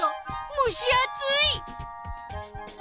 むし暑い！